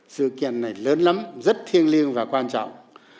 sự kiện này lớn lắm rất thiêng liêng và quan trọng